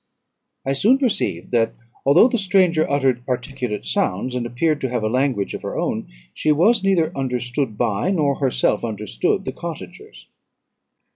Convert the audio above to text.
"I soon perceived, that although the stranger uttered articulate sounds, and appeared to have a language of her own, she was neither understood by, nor herself understood, the cottagers.